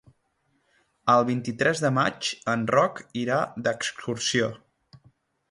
El vint-i-tres de maig en Roc irà d'excursió.